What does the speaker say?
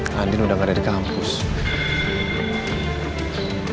pernikahan yang agak merosot